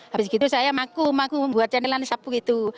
habis itu saya maku maku membuat channelan sapu gitu